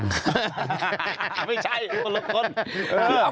ไม่ใช่ผมลบค้น